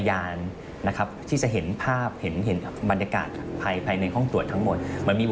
อันนี้จำเป็นต้องใช้